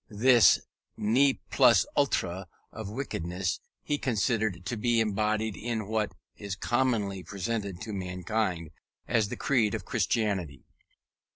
This ne plus ultra of wickedness he considered to be embodied in what is commonly presented to mankind as the creed of Christianity.